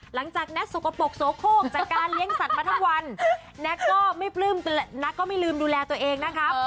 หลังจากแน็ตสกปรกโสโคกจากการเลี้ยงสัตว์มาทั้งวันแน็ตก็ไม่ลืมดูแลตัวเองนะครับ